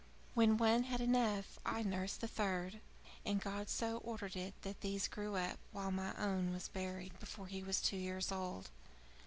When one had enough I nursed the third. And God so ordered it that these grew up, while my own was buried before he was two years old.